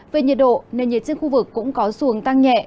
về nhiệt độ nền nhiệt trên khu vực cũng có xu hướng tăng nhẹ